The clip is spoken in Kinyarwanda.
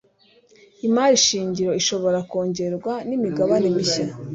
imari shingiro ishobora kongerwa n'imigabane mishya